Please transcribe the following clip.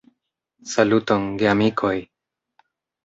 Saluton, geamikoj!